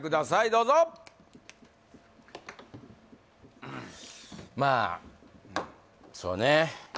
どうぞまあそうね